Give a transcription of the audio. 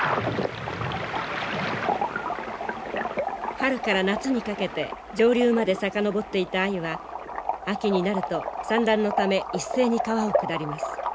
春から夏にかけて上流まで遡っていたアユは秋になると産卵のため一斉に川を下ります。